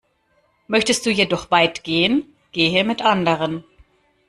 Möchtest du jedoch weit gehen, gehe mit anderen.